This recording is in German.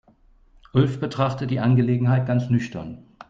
Ulf betrachtet die Angelegenheit ganz nüchtern.